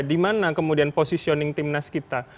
di mana kemudian positioning timnas kita